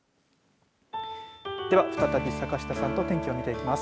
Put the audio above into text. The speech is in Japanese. では、再び坂下さんと天気を見ていきます。